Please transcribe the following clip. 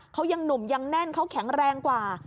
เขายังหนุ่มยังแน่นเขาแข็งแรงกว่า